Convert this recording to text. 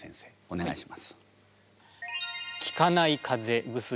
お願いします。